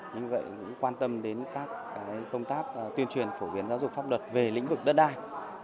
như vậy cũng quan tâm đến các công tác tuyên truyền phổ biến giáo dục pháp luật về lĩnh vực đất đai